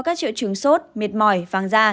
các triệu chứng sốt miệt mỏi pháng da